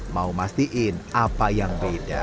mau mastiin apa yang beda